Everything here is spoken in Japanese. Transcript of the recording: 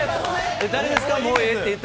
誰ですか？